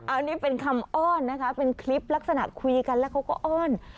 อันนี้เป็นคำอ้อนนะคะเป็นคลิปลักษณะคุยกันแล้วเขาก็อ้อน